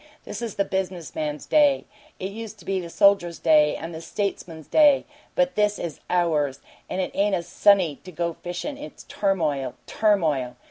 This is the business man's day; it used to be the soldier's day and the statesman's day, but this is OURS! And it ain't a Sunday to go fishin' it's turmoil! turmoil!